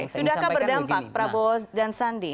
sudahkah berdampak prabowo dan sandi